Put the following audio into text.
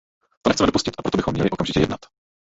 To nechceme dopustit, a proto bychom měli okamžitě jednat.